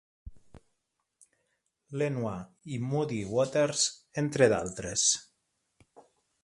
B. Lenoir i Muddy Waters, entre d'altres.